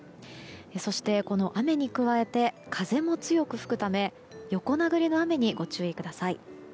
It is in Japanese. そして、この雨に加えて風も強く吹くため横殴りの雨にご注意ください。